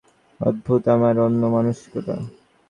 অদ্ভুত আমার অন্যমনস্কতা!